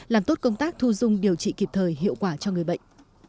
làm tốt công tác thu dung điều trị kịp thời hiệu quả cho người bệnh